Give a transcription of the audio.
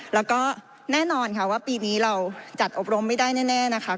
แล้วก็แน่นอนค่ะว่าปีนี้เราจัดอบรมไม่ได้แน่นะคะ